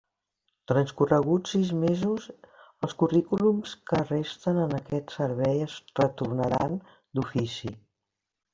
Transcorreguts sis mesos, els currículums que resten en aquest Servei es tornaran d'ofici.